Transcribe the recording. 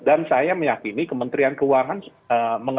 dan saya meyakini kementerian keuangan